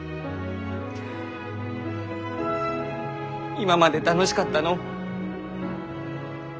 今まで楽しかったのう。